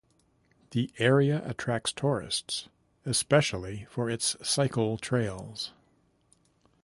The area attracts tourists, especially for its cycle trails.